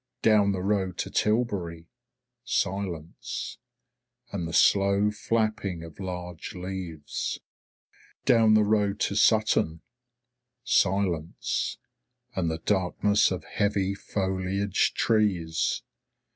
Down the road to Tilbury, silence and the slow flapping of large leaves. Down the road to Sutton, silence and the darkness of heavy foliaged trees.